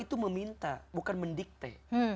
itu meminta bukan mendikte